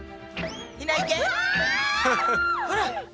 ほら！